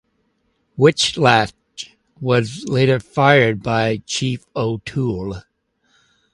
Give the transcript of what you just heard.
Whitlatch was later fired by Chief O'Toole.